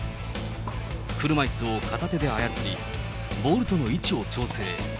車いすを片手で操り、ボールとの位置を調整。